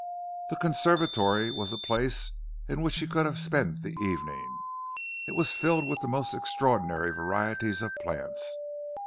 The conservatory was a place in which he could have spent the evening; it was filled with the most extraordinary varieties of plants.